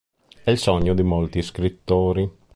È il sogno di molti scrittori.